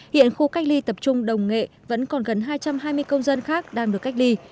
hiện khu cách ly tập trung đồng nghệ vẫn còn gần hai trăm hai mươi công dân khác đang được cách ly